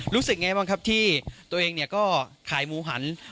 รู้สึกอย่างไรบ้างครับที่ตัวเองก็ขายหมูหัน